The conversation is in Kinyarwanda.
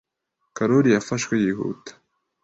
Karoli yafashwe yihuta.